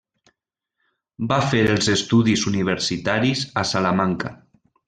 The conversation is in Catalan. Va fer els estudis universitaris a Salamanca.